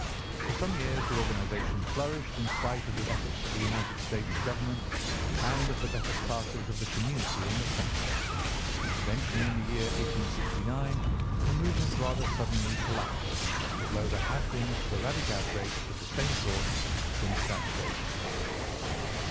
For some years the organisation flourished in spite of the efforts of the United States government and of the better classes of the community in the South. Eventually, in the year 1869, the movement rather suddenly collapsed, although there have been sporadic outbreaks of the same sort since that date.